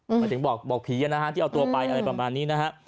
อืมแต่ถึงบอกบอกผีอ่ะนะฮะที่เอาตัวไปอะไรประมาณนี้นะฮะ